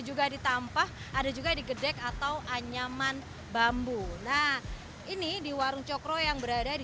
juga ditampah ada juga digedek atau anyaman bambu nah ini di warung cokro yang berada di